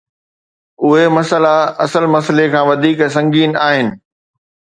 اهي مسئلا اصل مسئلي کان وڌيڪ سنگين آهن.